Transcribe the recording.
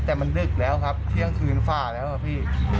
แต่มันดึกแล้วครับเที่ยงคืนฝ่าแล้วอะพี่